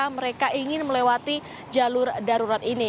mereka ingin melewati jalur darurat ini